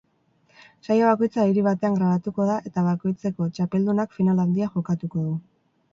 Saio bakoitza hiri batean grabatuko da eta bakoitzeko txapeldunak final handia jokatuko du.